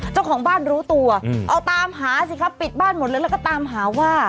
เจ้าของบ้านรู้ตัวเอาตามหาสิครับปิดบ้านหมดเลยแล้วก็ตามหาว่า